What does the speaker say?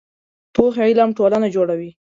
پوخ علم ټولنه جوړوي